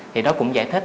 thì đó cũng giải thích